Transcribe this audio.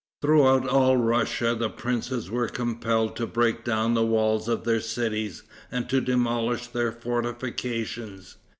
Throughout all Russia the princes were compelled to break down the walls of their cities and to demolish their fortifications.